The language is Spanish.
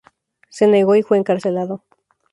Se negó y fue encarcelado.